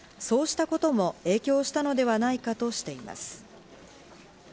そうしたことも影響したのではないかとしています。